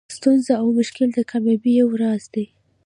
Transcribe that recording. ستونزه او مشکل د کامیابۍ یو راز دئ.